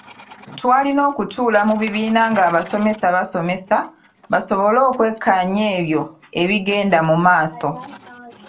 Twalina okutuula mu bibiina ng’abasomesa basomesa basobole okwekkaanya ebyo ebigenda mu maaso.